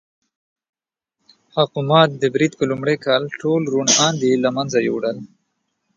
حکومت د برید په لومړي کال ټول روڼ اندي له منځه یووړل.